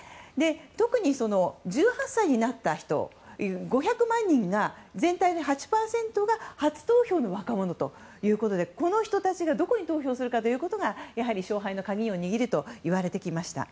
特に、１８歳になった５００万人が全体の８％が初投票の若者ということでこの人たちがどこに投票するかということがやはり勝敗の鍵を握るといわれてきました。